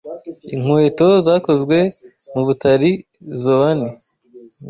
Inkweto zakozwe mu Butalizoani.